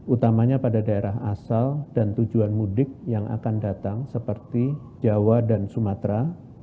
utamanya pada daerah asal dan tujuan mudik yang akan datang seperti jawa dan sumatera